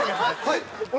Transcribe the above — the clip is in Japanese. はい。